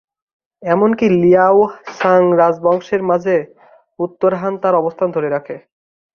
এমনকি লিয়াও-সং রাজবংশের মাঝে উত্তর হান তার অবস্থান ধরে রাখে।